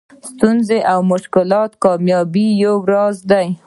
ستونزه او مشکل د کامیابۍ یو راز دئ.